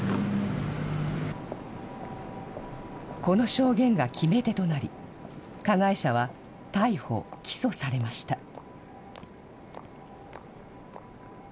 この証言が決め手となり、加害者は逮捕・起訴されました。